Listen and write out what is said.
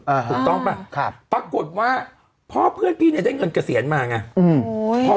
ถูกต้องป่ะครับปรากฏว่าพ่อเพื่อนพี่เนี้ยได้เงินเกษียณมาไงอืม